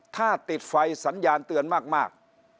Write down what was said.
ถ้าติดไฟสัญญาณเตือนมาก